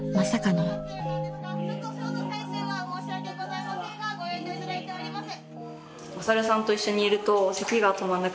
ショーの最中は申し訳ございませんがご遠慮いただいております。